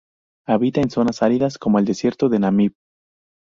Habita en zona áridas, como el desierto de Namib.